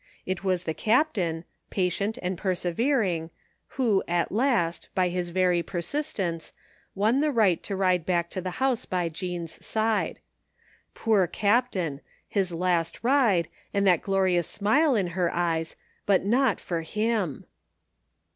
It was the Captain, patient and persevering, who at last, by his very persistence, won the right to ride back to the house by Jean's side. Poor Cai)tain, his last ride, and that glorious smile in her eyes, but not for him